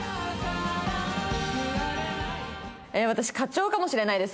私課長かもしれないです